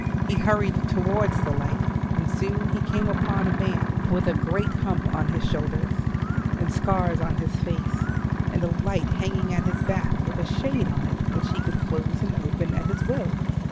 He hurried towards the light and soon he came upon a man with a great hump on his shoulders and scars on his face, and a light hanging at his back, with a shade on it which he could close and open at his will.